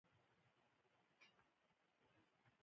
هغه زما خور ده